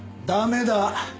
ダメだ！